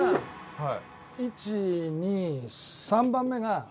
はい。